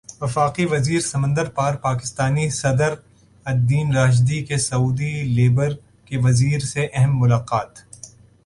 وفاقی وزیر سمندر پار پاکستانی صدر الدین راشدی کی سعودی لیبر کے وزیر سے اہم ملاقات